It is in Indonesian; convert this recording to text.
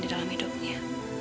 di dalam hidupnya